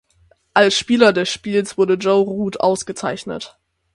Als Spieler des Spiels wurde Joe Root ausgezeichnet.